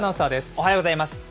おはようございます。